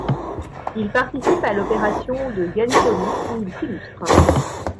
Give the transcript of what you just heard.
Il participe à l’opération de Gallipoli où il s'illustre.